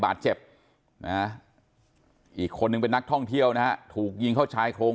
บาดเจ็บนะอีกคนนึงเป็นนักท่องเที่ยวนะฮะถูกยิงเข้าชายโครง